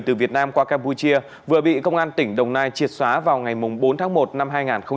từ việt nam qua campuchia vừa bị công an tỉnh đồng nai triệt xóa vào ngày bốn tháng một năm hai nghìn hai mươi